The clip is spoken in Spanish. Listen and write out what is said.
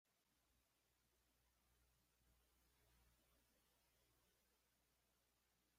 Tiene la mayor superficie de tierras de cultivo en todo la provincia.